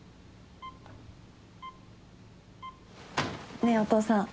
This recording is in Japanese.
ねえお父さん